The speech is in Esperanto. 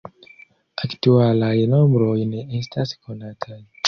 Aktualaj nombroj ne estas konataj.